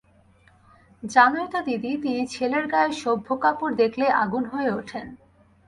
জানোই তো দিদি, তিনি ছেলের গায়ে সভ্য কাপড় দেখলেই আগুন হয়ে ওঠেন।